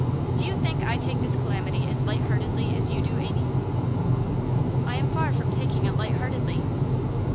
'Do you think I take this calamity as light heartedly as you do, Amy?' 'I am far from taking it light heartedly.